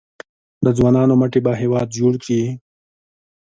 د ځوانانو مټې به هیواد جوړ کړي؟